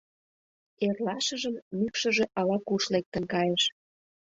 Эрлашыжым мӱкшыжӧ ала-куш лектын кайыш.